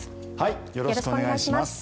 よろしくお願いします。